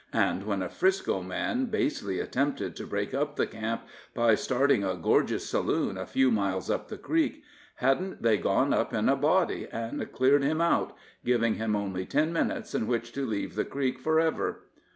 And when a 'Frisco man basely attempted to break up the camp by starting a gorgeous saloon a few miles up the creek, hadn't they gone up in a body and cleared him out, giving him only ten minutes in which to leave the creek for ever?